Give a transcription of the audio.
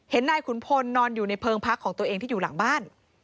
นายขุนพลนอนอยู่ในเพลิงพักของตัวเองที่อยู่หลังบ้าน